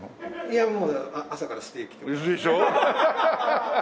いやもう朝からステーキとか。でしょ？